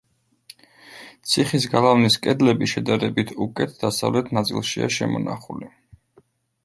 ციხის გალავნის კედლები შედარებით უკეთ დასავლეთ ნაწილშია შემონახული.